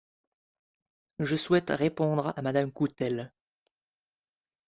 Je souhaite répondre à Madame Coutelle.